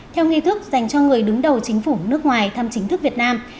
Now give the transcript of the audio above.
theo nghi thức dành cho người đứng đầu chính phủ nước ngoài thăm chính thức việt nam